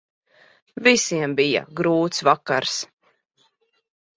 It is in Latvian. Visiem bija grūts vakars.